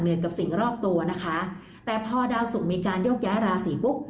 กับสิ่งรอบตัวนะคะแต่พอดาวสุกมีการโยกย้ายราศีปุ๊บ